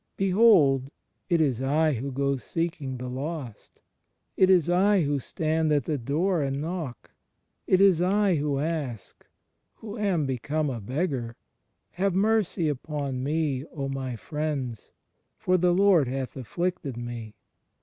Behold, it is I who go seeking the lost; it is I who stand at the door and knock. It is I who ask — who am become a beggar. ... CHRIST IN HIS HISTORICAL LITE I41 Have mercy upon me, my friends, for the Lord hath afflicted me!